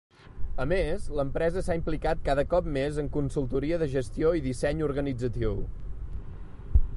A més, l'empresa s'ha implicat cada cop més en consultoria de gestió i disseny organitzatiu.